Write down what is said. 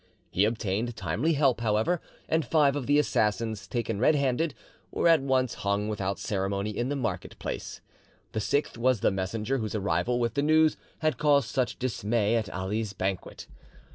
He obtained timely help, however, and five of the assassins, taken red handed, were at once hung without ceremony in the market place. The sixth was the messenger whose arrival with the news had caused such dismay at Ali's banquet.